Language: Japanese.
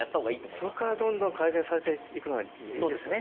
そこからどんどん改善されていくのがいいですよね。